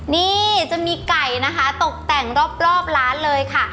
นี่จะมีไก่นะคะตกแต่งรอบร้านเลยค่ะ